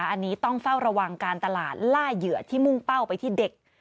อันนี้ต้องเฝ้าระวังการตลาดล่าเหยื่อที่มุ่งเป้าไปที่เด็ก